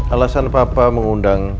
alasan papa mengundang